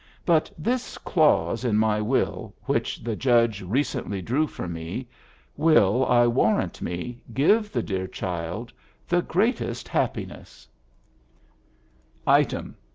But this clause in my will, which the Judge recently drew for me, will, I warrant me, give the dear child the greatest happiness: "Item.